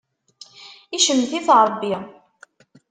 Icemmeɛ-it Ṛebbi.